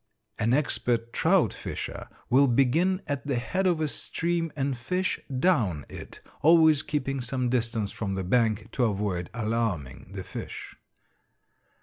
An expert trout fisher will begin at the head of a stream and fish down it, always keeping some distance from the bank to avoid alarming the fish.